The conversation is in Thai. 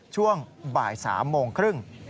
ช่วงบ่าย๓โมงครึ่ง